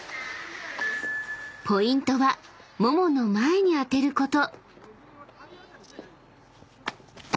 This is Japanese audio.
［ポイントはももの前に当てること］